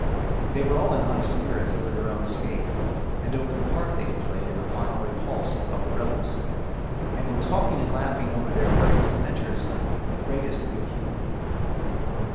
They were all in high spirits over their own escape and over the part they had played in the final repulse of the rebels, and were talking and laughing over their various adventures in the greatest good humor.